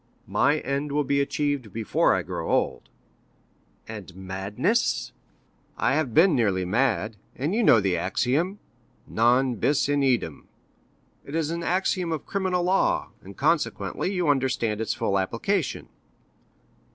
"My end will be achieved before I grow old." "And madness?" "I have been nearly mad; and you know the axiom,—non bis in idem. It is an axiom of criminal law, and, consequently, you understand its full application."